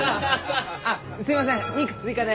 あっすみません肉追加で！